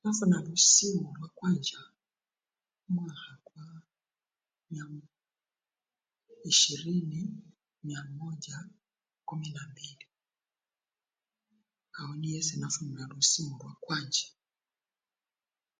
Nafuna lusimu lwa kwancha mumwakha kwa myamu- ishirini myamoja kumi nambili, awo niwo esii nafunila lusimu lwakwanza.